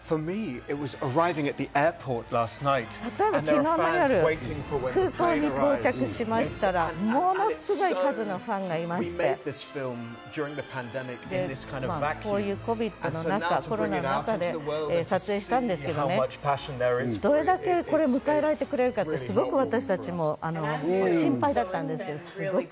例えば昨日の夜、空港に到着しましたら、ものすごい数のファンがいまして、こういうＣＯＶＩＤの中、コロナの中で撮影したんですけどね、どれだけ迎えられてくれるかで、私たちも心配だったんです。